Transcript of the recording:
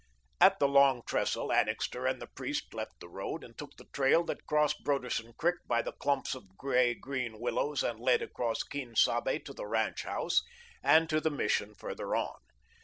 At the Long Trestle, Annixter and the priest left the road and took the trail that crossed Broderson Creek by the clumps of grey green willows and led across Quien Sabe to the ranch house, and to the Mission farther on.